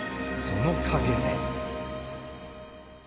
その陰で。